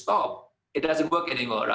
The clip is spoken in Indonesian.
itu tidak berhasil lagi kan